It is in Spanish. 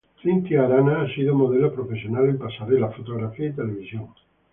Cynthia Arana ha sido modelo profesional en pasarelas, fotografía y televisión.